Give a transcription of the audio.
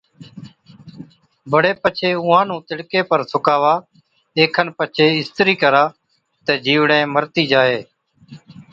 بڙي پڇي اُونهان نُون تِڙڪي پر سُڪاوا، اي کن پڇي اِسترِي ڪرا تہ جِيوڙين مرتِي جائِي